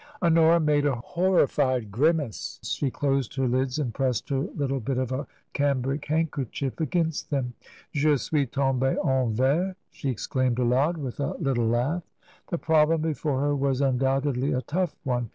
Honora made a horrified grimace ; she closed her lids and pressed her little bit of a cambric handkerchief against them. *^Je suis totnbee en vertT she exclaimed aloud, with a little laugh. '''^e problem before her was undoubtedly a tough one.